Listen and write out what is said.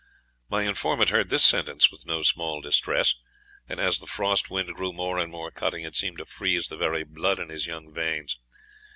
My informant heard this sentence with no small distress; and as the frost wind grew more and more cutting, it seemed to freeze the very blood in his young veins.